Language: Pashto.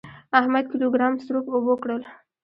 احمد کيلو ګرام سروپ اوبه کړل.